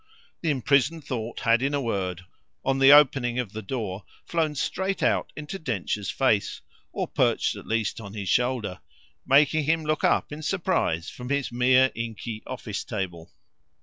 The imprisoned thought had, in a word, on the opening of the door, flown straight out into Densher's face, or perched at least on his shoulder, making him look up in surprise from his mere inky office table.